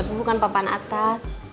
tapi bukan papan atas